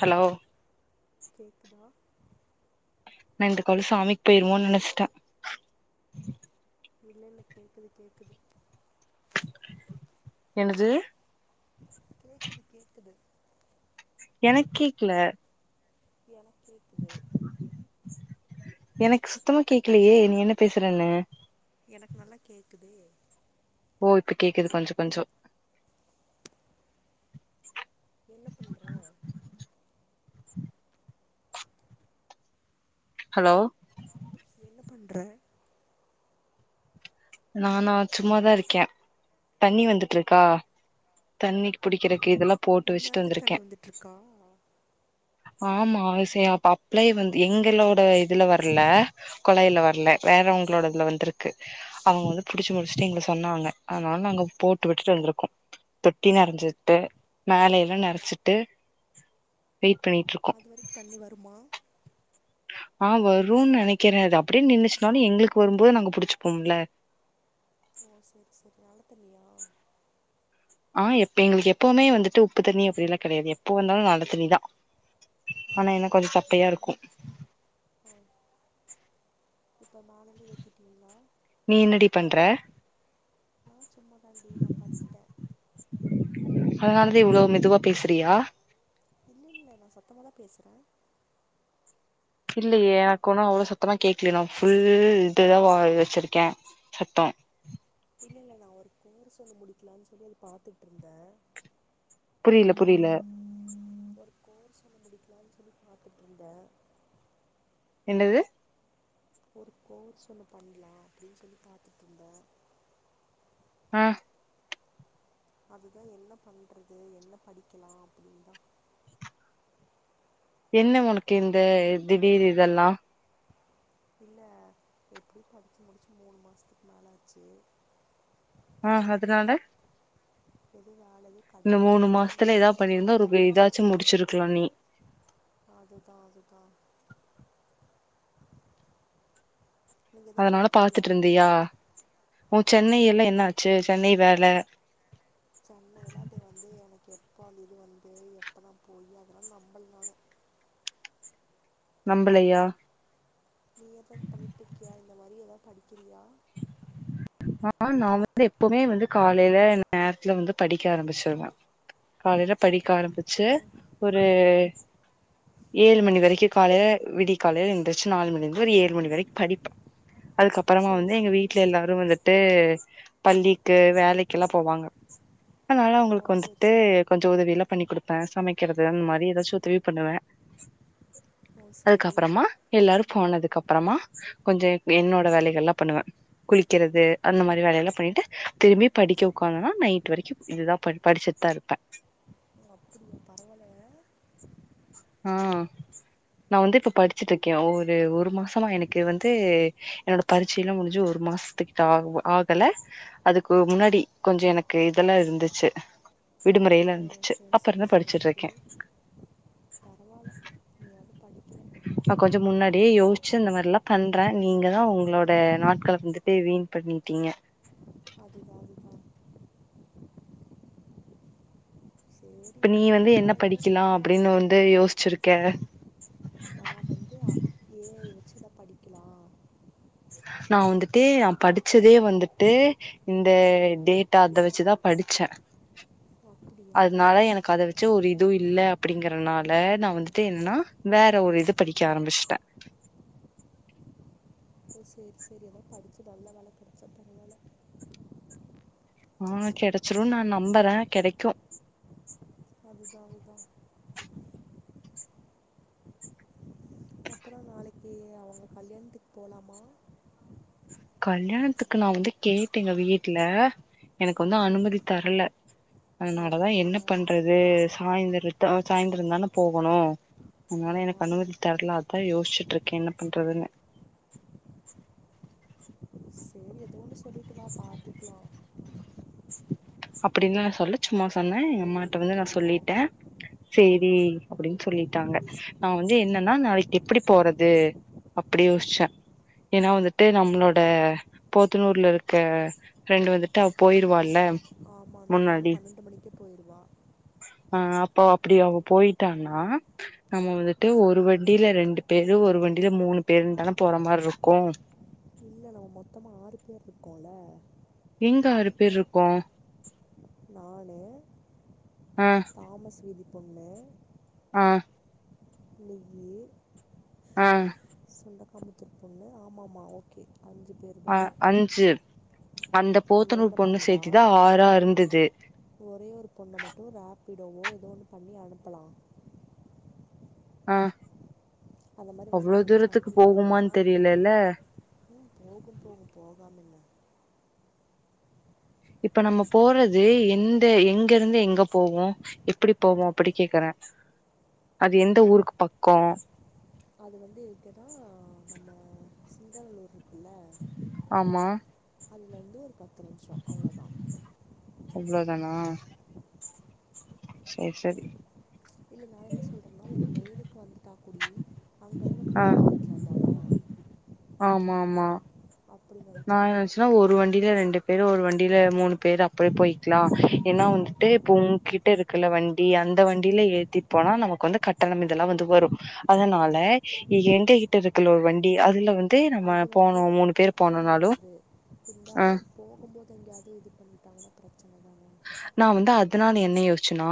Hello கேக்குதா நா இந்த கொல சாமிக்கு போயிருமோனு நெனச்சிட்டே [inaudible] என்னது [inaudible] எனக் கேக்கல [inaudible] எனக் சுத்தமா கேக்கலையே நீ என்ன பேசறன்னு எனக்கு நல்லா கேக்குதே ஓ இப்ப கேக்குது கொஞ்சோ கொஞ்சோ என்ன பண்ற ஹலோ என்ன பண்ற நானா சும்மாதா இருக்கே தண்ணி வந்துட்டு இருக்கா தண்ணி இந்நேரத்துக்கு தண்ணி வந்துட்டு இருக்கா ஆமா அவசியம் அப்ளே வந்து எங்களோட இதுல வர்ல கொலாயில வர்ல வேறவங்களோட இதுல வந்துருக்கு அவங்க வந்து புடிச்சி முடிச்சிட்டு எங்கள சொன்னாங்க அதனால நாங்க போட்டு விட்டுட்டு வந்திருக்கோ தொட்டி நெரஞ்சிட்டு மேல எல்லா நெறச்சிட்டு பண்ணிட்டு இருக்கோ அது வரை தண்ணி வருமா அ வரும்னு நெனைக்கிறே அது அப்டியே நின்னுச்சுனாலு எங்களுக்கு வரும்போது நாங்க புடிச்சு போம்ல ஓ செரி செரி நல்ல தண்ணி யா அ எப்ப எங்களுக்கு எப்வுமே வந்துட்டு உப்பு தண்ணி அப்டிலா கெடையாது எப்ப வந்தாலு‌ நல்ல தண்ணிதா ஓ ஆனா என்ன சரி கொஞ்சோ சரி சப்பையா சரி இருக்கு இப்ப மேலையு ஏத்திட்டிங்களா நீ என்னடி பண்ற சும்மா தான்டி நா படுத்திட்ட அதா இவ்ளோ மெதுவா பேசுறியா இல்ல இல்ல நா சத்தமாதா பேசுற இல்லையே எனக்கு ஒண்ணு அவ்ளோ சத்தமா கேக்கல நா ஃபுல் இதா வெச்சிருக்கே சத்தோ இல்ல இல்ல நா ஒரு கோர்ஸ் ஒன்னு முடிக்கலானு பாத்துட்டு இருந்த புரில புரில முடிக்கலானு சொல்லி பாத்திட்டு இருந்த என்னது ஒரு கோர்ஸ் ஒன்னு பண்ணலானு பாத்துட்டு இருந்த அ அது தா என்ன பண்றது என்ன படிக்கலா அப்டின்னுதா என்ன உனக்கு இந்த திடீர் இதெல்லா எப்டியு படிச்சு முடிச்சு மூணு மாசத்துக்கு மேல ஆச்சு அ அதுனால இப்போ இந்த மூணு மாசத்துல எதா பண்ணு பண்ணியிருந்தா ஒரு இதாச்சு முடிச்சிருக்கலா நீ அ அதுதா அதனால பாத்துட்டு இருந்தியா உன் சென்னை ஆமாம் எல்லா நீங்கள் என்ன ஆச்சு சென்னை வேல சென்னைல்லா அது வந்து எப்ப அந்த இது வந்து நா எப்ப நா போயி அதுலா நம்பள நானு நம்பலையா நீ எதாவ்து பண்ணிட்டு இருக்கிறியா இந்த மாரி எதாவ்து படிக்கிறியா அ நா வந்து எப்புமே வந்து காலையில நேரத்துல வந்து படிக்க ஆரம்பிச்சிருவே காலையில படிக்க ஆரம்பிச்சு ஓ ஒரு ஏழு மணி வரைக்கு காலையில விடி காலைய இருந்திரச்சு நாலு மணி இருந்து ஒரு ஏழு மணி வரைக்கு படிப்ப அதுக்கப்புறமா சரி வந்து எங்க சரி வீட்ல எல்லாரு வந்து ட்டு பள்ளிக்கு வேலைக்குல்லா போவாங்க அதனால ஓ அவங்களுக்கு சரி வந்துட்டு சரி கொஞ்சோ உதவியில்லா பண்ணி குடுப்ப ன் சமைக்கிறது அந்த மாரி எதாச்சு உதவி பண்ணுவே ஓ சரி அதுக்கப்புறமா எல்லாரு போனதுக்கு அப் அப்புறமா கொஞ்சோ என்னோட வேலைகள்லா பண்ணுவே குளிக்கிறது அந்த மாரி வேலையெல்லா பண்ணிட்டு திரும்பி படிக்க உட்காந்தனா நைட் வரைக்கு இதுதா ப படிச்சுட்டு தா இருப்ப ஓ அப்படியா பரவாயில்ல அ நா வந்து இப்ப படிச்சுட்டு இருக்கே ஒரு ஒரு மாசமா எனக்கு வந்து என்னோட பரிட்சையெல்லா முடிஞ்சு ஒரு மாச மாசத்துக்கிட்ட ஆ ஆகல அதுக்கு முன்னாடி கொஞ்சோ எனக்கு இதெல்லா இருந்துச்சு விடுமுறையில ஓ இருந்துச்சு சரி சரி அப்ற்து சரி படிச்சுட்டு சரி இருக்க பரவாயில்ல நீயாவது படிக்கிற ஹ ந கொஞ்ச முன்னாடியே யோசிச்சு இந்த மாதிரில்லா பண்றே நீங்கதா உங்களோட நாட்கள வந்துட்டு வீண் பண்ணிட்டீங்க அதுதா அதுதா சரி இப்ப நீ ஏதோ வந்து ஒன்று என்ன கிடைக்கும்னு படிக்கலா நம்புகிறோம் அப்படின்னு வந்து யோசிச்சிருக்க நான் வந்து ஏ ஐ வச்சு இத படிக்கலா நா வந்துட்டு நா படிச்சதே வந்துட்டு இந்த டேட்டா அத வச்சுதா படிச்ச ஓ அப்படியா அதனால எனக்கு அத வச்சு ஒரு இதுவு இல்ல அப்படிங்கறனால நா வந்துட்டு என்னன்னா வேற ஒரு இது ப எக்க ஆரம்பச்ட்ட ஓ சரி சரி ஏதோ படிச்சு நல்ல வேல கிடைச்சா பரவால ஆ கெடைச்சிரு நா நம்புறே கெடைக்கு அதுதா அதா அப்புற நாளைக்கு அவங்க கல்யாணத்துக்கு போலாமா கல்யாணத்துக்கு நா வந்து கேட்டேங்க வீட்டுல எனக்கு வந்து சரி அனுமதி சரி. தரல ஓ அதனால தா என்ன அப்படியா பண்றது சாய்ந்தர சாய்ந்தரந்தான போகணு அதனால எனக்கு ஆமாம் அனுமதி தரல அதான் யோசிச்சுட்ருக்கே என்ன பண்றதுன்னு சரி ஏதோன்னு சொல்லிட்டு வா பாத்துக்கலா அப்படின்னு நா சொல்ல சும்மா சொன்னே எங்க அம்மாட்ட வந்து நா சொல்லிட்டே சரி அப்படின்னு சொல்லிட்டாங்க நா வந்து என்னன்னா நாளைக்கு எப்டி போறது அப்படி யோசிச்சா ஏன்னா வந்துட்டு நம்மளோட போத்தனூர்ல இருக்க ரெண்டு வந்துட்டு அவ போயி வால ஆமாம் அந்த பொண்ணு பன்னெண்டு மணிக்கு போயிருவா ஆ அப்போ அப்படி அவ போயிட்டானா நம்ம வந்துட்டு ஒரு வண்டியில ரெண்டு பேரு ஒரு வண் வண்டியில மூணு பேருந்தான போற மாரி இருக்கு இல்ல நம்ம மொத்தமா ஆறு பேர் இருக்கோல்ல எங்க ஆறு பேர் இருக்கோ நானு ஆ தாமஸ் வீதி பொண்ணு ஆ நிய்யி ஆ ண்டக்கம்பத்திரு பொண்ணு ஆமாமா ஓகே அஞ்சு பேர் அ தான் அஞ்சு அந்த நம்ம போத்தனூர் என்ன பொண்ணு பண்ணலாம் சேத்திதா ஆறா இருந்தது ப்படுவோ ஏதோன்னு பண்ணி அனுப்பலா அ அந்த மாதிரி வண்டி அவ்ளோ பிடிச்சி தூரத்துக்கு அனுப்பிட்டோம்னா போகுமான் தெரியலல்ல ம் போகும் போகு போகாம எங்க இப்ப நம்ம போறது எந்த எங்கருந்து எங்க போவோ எப்டி போவோ அப்படி கேக்கற அது எந்த ஊருக்கு பக்கோ அது வந்து இருக்குன்னா நம்ம சிங்களலூர் ஆம்மா தெரிம்ச்சோ அவ்வளோதா அவ்ளோ தானா சரி சரி இல்ல நா என்ன சொல்றேனா ஒரு மெயிலுக்கு வந்துட்டாக்குடி அங்கந்து நம்ம ஆ கூடிட்டு போய்க்கலா தான ஆமா ஆமா நா நினச்சேன் என்ன நான் நெனைச்சுன்னா ஒரு வண்டியில ரெண்டு பேரு ஒரு வண்டில மூணு பேரு அப்படியே போயிக்லா ஏன்னா வந்துட்டு இப்ப உங்கிட்ட இருக்குல வண்டி அந்த வண்டியில ஏத்தி போனா நமக்கு வந்து கட்டணம் இதெல்லாம் வந்து வரும் அதனால எங்க கிட்ட இருக்கல ஒரு வண்டி அதுல வந்து நம்ம அது வந்து போனோம் மூணு பேரு கட்டணம் வராது இருந்தாலு போகும்போது எங்கேயாவது இது பண்ணிட்டாங்கன்னா பிரச்சன தான் [inaudible] நா வந்து அதனால என்ன யோசிச்சன்னா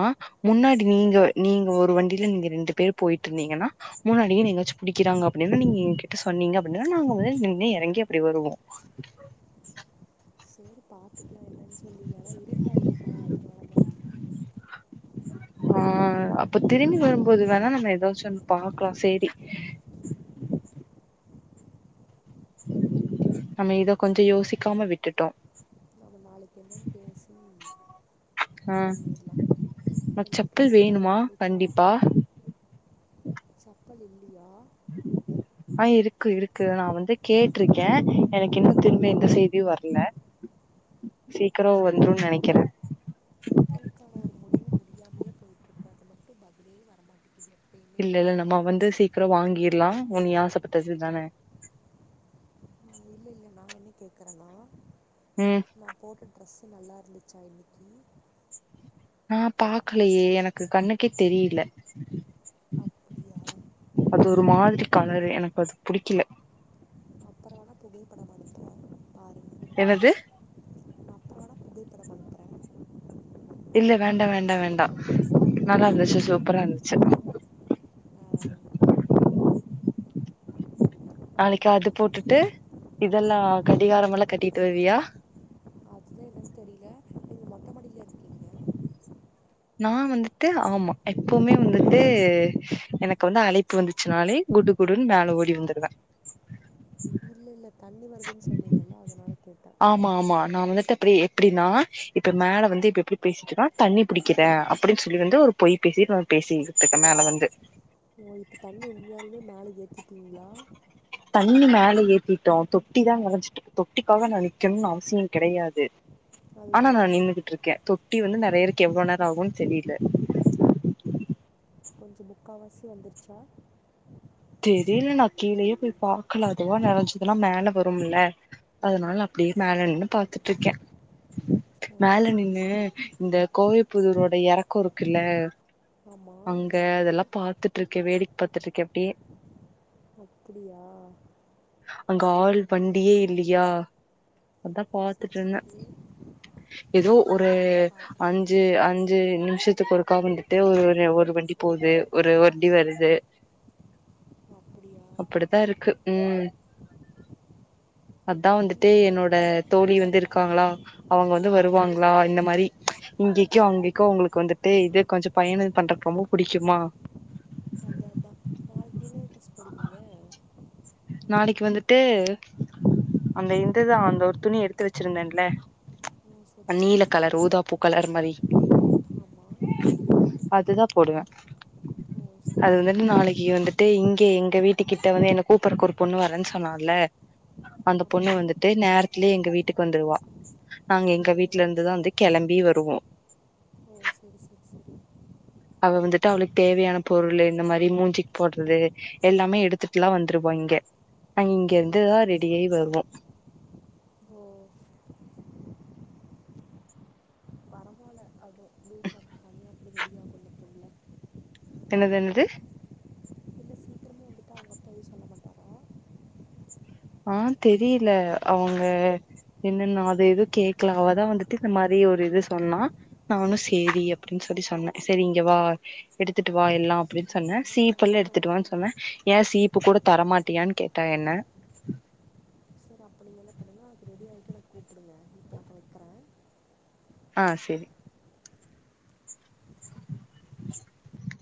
முன்னாடி நீங்க நீங்க ஒரு வண்டில நீங்க ரெண்டு பேர் போய்ட்டு இருங் ங்கனா முன்னாடியே எங்கயாச்சு புடிக்கிராங்க அப்டினு நீங் எங்கிட்ட சொன்னீங்க அப்டினா நாங்க வந்து நின்னு எறங்கி அப்டி வரு வோம் பாத்துக்கலா இல்லனு சொல்லி ஏன்னா இருட்டாயிருக்கு அதனால தா [inaudible] ஆ அப்ப திரும்பி வரும்போது வேணா நம்ம ஏதாச்சு ஒன்னு பாக்கலா சேரி [inaudible] நம்ம இத கொஞ்ச யோசிக்காம விட்டுட்டோ நாங்க நாளைக்கு என்னன்னு பேசு ஆ உ என்னோடய செப்பல் ட்ரெஸ்ஸு வேணுமா கண்டிப்பா சப்பல் இல்லியா [inaudible] ஆ இருக்கு இருக்கு நா வந்து கேட்டிருக்க எனக்கு இன்னு திரும்பி எந்த செய்தியு வர்ல சீக்கிர வந்துரு செப்பல் நெனைக்கிற முயாமையே போயிடுருக்கு அதை மட்டும் பதிலே வரமாட்டேங்கிது இல்ல இல்ல நம்ம வந்து சீக்கிர வாங்கிரலா நீ ஆசப்பட்டது தான [inaudible] இல்ல நா என்ன கேக்குறன்னா ம் நா போட்ட ட்ரெஸ் நல்லா இருந்துச்சா இன்னிக்கி நா பாக்கலையே எனக்கு கண்ணுக்கே தெரியல அப்படியா அது ஒரு மாதிரி கலரு எனக்கு அது புடிக்கல நான் அப்புறம் வேணால் புகைப்படம் அனுப்புகிறேன் பாருங்கள் என்னது நான் அப்புறம் வேணால் புகைப்படம் அனுப்புகிறேன் இல்ல வேண்டா வேண்டா வேண்டா நல்லா டிரஸ் சூப்பரா இருந்துச்சு [inaudible] நாளைக்கு அது போட்டுட்டு இதெல்லா கடிகாரமலா கட்டிட்டு வருவீயா அதா என்னனு தெரியல நீங்கள் மொட்டை மாடியில் இருக்கீங்க [inaudible] நா வந்துட்டு ஆமா எப்பவுமே வந்துட்டு எனக்கு வந்து அழைப்பு வந்துச்சுனாலே குடு குடுன்னு மேல ஓடி வந்துருவ இல்ல இல்ல தண்ணி வருதுன் சொன்னீங்கல்ல அதனால கேட்ட இப்ப எப்டினா இப்ப மேல வந்து இப்ப எப்டி பேசிட்டுற்க தண்ணி புடிக்கிற அப்டின்னு சொல்லி வந்து ஒரு பொய் பே பேசி பேசித்துக்க மேல வந்து ஓ இப்ப தண்ணி உண்மையாலுமே மேல எத்திட்டீங்களா தண்ணி மேல ஏத்திட்டோ தொட்டி தா நெறைஞ்சுட்டு இருக்கு தொட்டிக்காக நா நிக்கணுன்னு அவசியோ கெடையாது ஆனா அதுதான் நா அதுதான் நின்னுகிட்டு இருக்கே தொட்டி வந்து நெ நிறையருக்கு எவ்ளோ நேரோ ஆகுனு தெரியல கொஞ்ச முக்காவாசி வந்துருச்சா தெரியல நா கீழேயே போய் பாக்கல அதுவா நெறைஞ்சுதுனா மேல வரும்ல அதனால அப்டியே மேல நின்னு பாத்துட்டுருக்க ஓ மேல சரி நின்னு சரி இந்த கோவைப்புதூரோட எறக்கோ இருக்குல்ல ஆமாம் அங்க அதெல்லா பாத்துட்டு இருக்க வேடிக்க பாத்துட்டு இருக்க அப்டியே அப்டியா அங்க ஆள் வண்டியே இல்லியா அதா சரி பாத்துட்டு இருந்த சரி ஏதோ நல்லா ஒரு இருக்கும் அங்கே நின்று பார்க்குறக்கு அஞ்சு அஞ்சு நிமிஷத்துக்கு ஒருக்கா வந்துட்டு ஒரு ஒரு வண்டி போது ஒரு ஒரு வண்டி வருது அப்படியா அப்டித்தா இருக்கு ம் அதா இல்லை வந்துட்டு என்னோட நாளைக்கு தோழி வந்து இருக்காங்களா அவுங்க வந்து வருவாங்களா இந்த மாரி இங்கேக்கோ அங்கேக்கோ உங்குளுக்கு வந்துட்டு இது கொஞ்ச பயண பண்றக்கு ரொம்ப புடிக்குமா அத அத அ ட்ரெஸ் போடுவீங்க நாளைக்கு வந்துட்டு அந்த இந்துதா அந்த ஒரு துணி எடுத்து வச்சிருந்தேன்ல ஓ சரி சரி நீல சரி கலர் ஊதா பூ கலர் மாரி ஆமாம் அதுதா போடுவே ஓ சரி அது வந் சரி நாளைக்கு வந்துட்டு இங்க எங்க வீட்டு கிட்ட வந்து எனக் கூப்புறக்கு ஒரு பொண்ணு வரேன் சொன்னால அந்த பொண்ணு ஆமாம் வந்துட்டு நேரத்லயே எங்க வீட்டுக்கு வந்துருவா நாங்க ஓ எங்க வீட்டுலேந்துதா வந்து கிளம்பி வருவோ ஓ செரி செரி செரி அவ வந்துட்டு அவளுக்கு தேவையான பொருளு இந்த மாரி மூஞ்சிக்கு போட்றது எல்லாமே எடுத்துட்லா வந்துருவா இங்க நாங்க ஓ இங்கருந்துதா சரி ரெடியாயி சரி வருவோ ஓ பரவாயில்ல அது ப்ளூ ஜாக்கெட் அது எப்டி ரெடி ஆகும் தெரில என்னதென்னது இல்லை சீக்கிரமே வந்துட்டு அவங்க அப்பா எதுவும் சொல்ல மாட்டாரா ஆ தெரில அவுங்க இன்னு நா அதெதுவு கேக்கல அவதா வந்துட்டு இந்த மாரி ஒரு இது சொன்னா நானு சேரி அப்டி சொல்லி சொன்ன செரி இங்க வா எடுத்துட்டு வா எல்லா அப்டின் சரி சொன்னே என்னமோ சீப்புல்லா பண்ணட்டும் எடுத்துட்டுவான் சொன்னே ஏ சீப்பு கூட தரமாட்டியான் கேட்டா என்ன செரி அப்ப நீங்கென்ன பண்ணுங்க அப் ரெடி ஆயிட்டு என்ன கூப்புடுங்க ஆ செரி